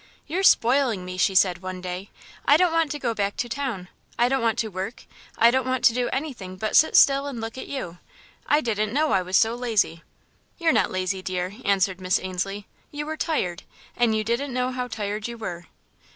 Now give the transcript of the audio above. "You're spoiling me," she said, one day. "I don't want to go back to town, I don't want to work, I don't want to do anything but sit still and look at you. I didn't know I was so lazy." "You're not lazy, dear," answered Miss Ainslie, "you were tired, and you didn't know how tired you were."